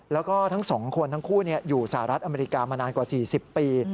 แล้วก็ทั้ง๒คนทั้งคู่อยู่สหรัฐอเมริกามานานกว่า๔๐ปี